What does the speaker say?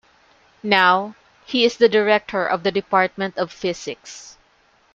Now, he is the director of the Department of Physics.